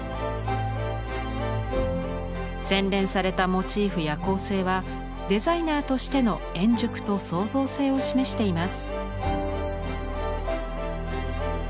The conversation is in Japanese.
洗練されたモチーフや構成はデザイナーとしての円熟と創造性を示しています。